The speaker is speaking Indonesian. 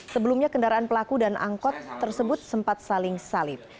sebelumnya kendaraan pelaku dan angkot tersebut sempat saling salib